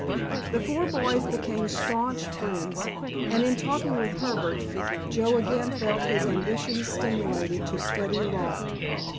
The four boys became staunch friends, and in talking with Herbert, Joe again felt his ambitions stimulated to study law.